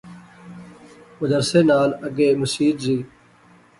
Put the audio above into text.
مدرسے نال اگے مسیت زی